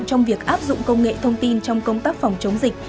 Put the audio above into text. trong việc áp dụng công nghệ thông tin trong công tác phòng chống dịch